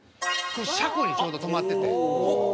これ車庫にちょうど止まってて。